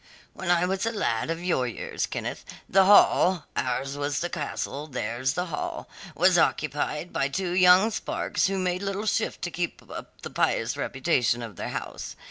"When I was a lad of your years, Kenneth, the hall ours was the castle, theirs the hall was occupied by two young sparks who made little shift to keep up the pious reputation of their house.